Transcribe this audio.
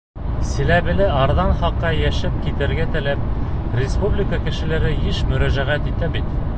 Силәбелә арзан хаҡҡа йәшәп китергә теләп, республика кешеләре йыш мөрәжәғәт итә бит.